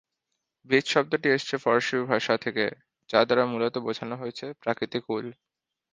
Base শব্দটি এসেছে ফরাসি ভাষা থেকে, যা দ্বারা মূলত বোঝানো হয়েছে প্রাকৃতিক উল।